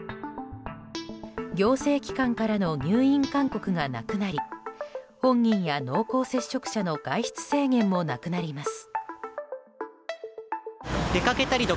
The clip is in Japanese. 行政機関からの入院勧告がなくなり本人や濃厚接触者の外出制限もなくなります。